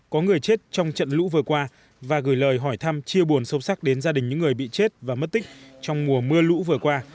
có người chết trong trận lũ vừa qua và gửi lời hỏi thăm chia buồn sâu sắc đến gia đình những người bị chết và mất tích trong mùa mưa lũ vừa qua